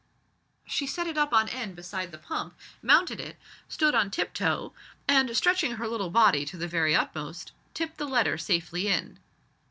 She set it up on end beside the pump, mounted it, stood on tip toe, and, stretching her little body to the very uttermost, tipped the letter safely in.